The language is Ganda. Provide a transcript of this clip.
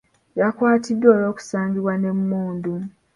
Yakwatiddwa olw'okusangibwa n'emmundu.